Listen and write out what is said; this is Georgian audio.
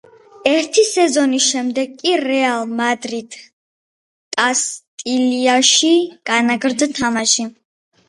ერთი სეზონის შემდეგ კი „რეალ მადრიდ კასტილიაში“ განაგრძო თამაში.